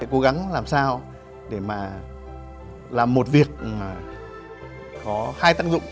cố gắng làm sao để mà làm một việc có hai tác dụng